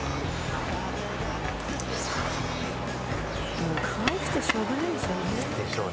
もうかわいくてしょうがないですよね。